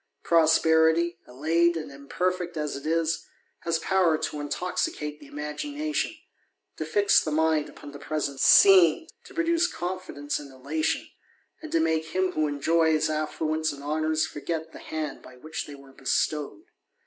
Prosperity, allayed and imperfect as it is, b.s power to intoxicate the imagination, to fix the mind upo the present scene, to produce confidence and elation, and X< make him who enjoys affluence and honours forget the banc by which they were bestowed.